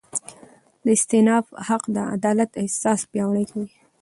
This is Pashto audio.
د استیناف حق د عدالت احساس پیاوړی کوي.